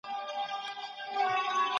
يا هملته په زندان کي مړ سي.